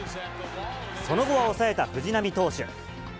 その後は抑えた藤浪投手。